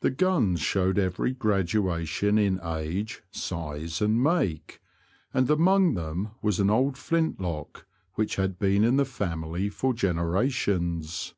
The guns showed every graduation in age, size, and make, and among them was an old flint lock which had been in the family for generations.